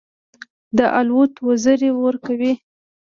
د الوت وزرې ورکوي.